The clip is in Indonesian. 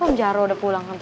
pohon jaruh udah pulang tante